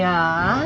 ああ。